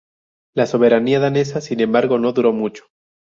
La soberanía danesa, sin embargo, no duró mucho.